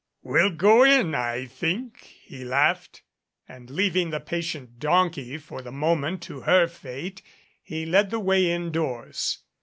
"We'll go in, I think," he laughed. And, leaving the patient donkey for the moment to her fate, he led the way indoors.